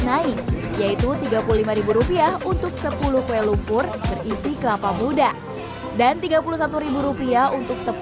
naik yaitu tiga puluh lima rupiah untuk sepuluh kue lumpur berisi kelapa muda dan tiga puluh satu rupiah untuk sepuluh